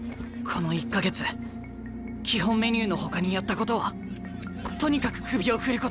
この１か月基本メニューのほかにやったことはとにかく首を振ること。